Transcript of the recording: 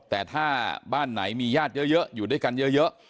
แต่ถ้าบ้านไหนมีญาติเยอะอยู่ด้วยกันเยอะ